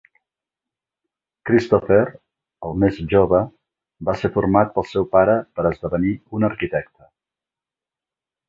Christopher, el més jove, va ser format pel seu pare per esdevenir un arquitecte.